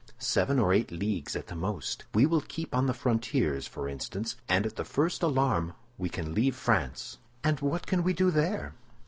"Seven or eight leagues at the most. We will keep on the frontiers, for instance; and at the first alarm we can leave France." "And what can we do there?"